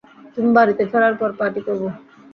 তুমি বাড়িতে ফেরার পর পার্টি করবো।